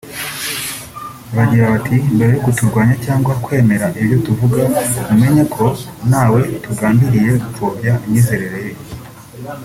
Bagira bati « mbere yo kuturwanya cyangwa kwemera ibyo tuvuga mu menye ko ntawe tugambiriye gupfobya imyizerere ye